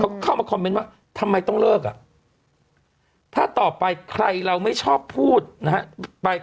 เขาเข้ามาคอมเมนต์ว่าทำไมต้องเลิกอ่ะถ้าต่อไปใครเราไม่ชอบพูดนะฮะไป